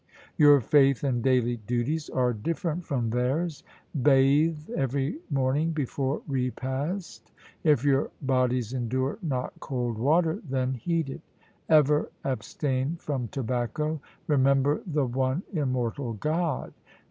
Your faith and daily duties are different from theirs. Bathe every morning before repast. If your bodies endure not cold water, then heat it. Ever abstain from tobacco. Remember the one immortal God.